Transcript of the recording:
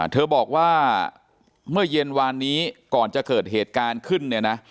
เธอบอกว่าเมื่อเย็นวานนี้ก่อนจะเกิดเหตุการณ์ขึ้นเนี่ยนะ